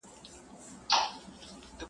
o وېښته مي ولاړه سپین سوه لا دي را نکئ جواب,